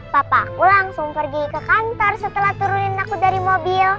papa langsung pergi ke kantor setelah turunin takut dari mobil